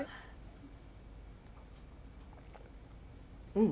うん！